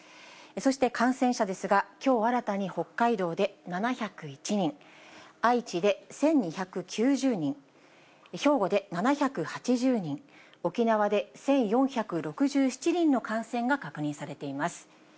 そして感染者ですが、きょう新たに北海道で７０１人、愛知で１２９０人、兵庫で７８０人、沖縄で１４６７人の感染が確認されています。